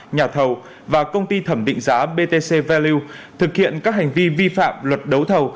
nhà thầu và công ty thẩm định giá btc value thực hiện các hành vi vi phạm luật đấu thầu